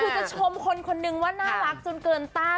คือจะชมคนคนนึงว่าน่ารักจนเกินต้าน